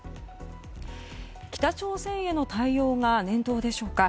北朝鮮への対応が念頭でしょうか。